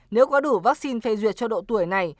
nếu có đủ vaccine phê duyệt cho độ tuổi này